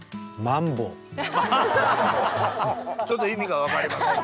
ちょっと意味が分かりません。